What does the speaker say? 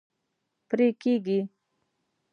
پرې کیږي